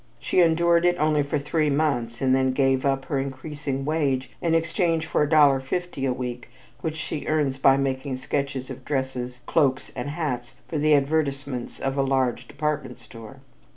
She endured it only for three months, and then gave up her increasing wage in exchange for $1.50 a week which she earns by making sketches of dresses, cloaks and hats for the advertisements of a large department store.